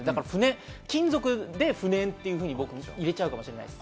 だから金属で不燃っていうふうに僕、入れちゃうかもしれないです。